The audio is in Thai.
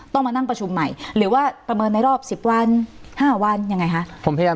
ต้องมานั่งประชุมใหม่หรือว่าประเมินในรอบ๑๐วัน๕วันยังไงคะ